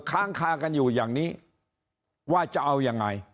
ค้างคากันอยู่อย่างนี้ว่าจะเอายังไง